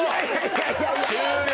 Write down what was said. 終了！